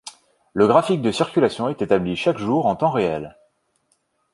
Le graphique de circulation est établi chaque jour en temps réel.